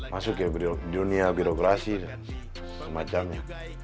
masuk ya di dunia birokrasi dan semacamnya